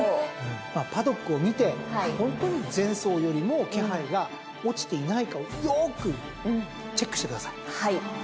パドックを見てホントに前走よりも気配が落ちていないかをよくチェックしてください。